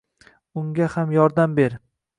Unga ham yordam ber.